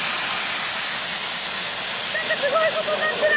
なんかすごいことになってる。